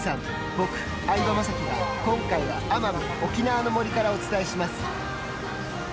僕、相葉雅紀が今回は奄美、沖縄の森からお伝えします。